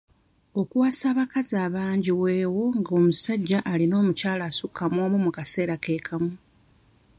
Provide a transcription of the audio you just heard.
Okuwasa abakazi abangi weewo nga omusajja alina omukyala asukka mw'omu mu kaseera ke kamu.